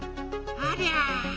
ありゃ。